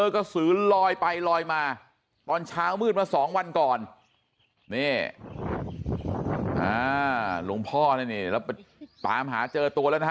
ก็สื่อลอยไปลอยมาตอนเช้ามืดมา๒วันก่อนหลวงพ่อแล้วไปตามหาเจอตัวแล้วนะ